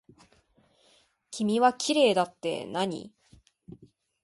君はきれいだってなに。